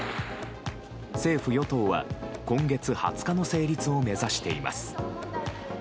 政府・与党は、今月２０日の成立を目指しています。